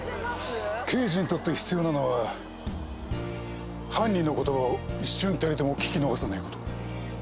刑事にとって必要なのは犯人の言葉を一瞬たりとも聞き逃さないこと。